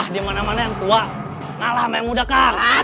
di mana mana yang tua malah sama yang muda kah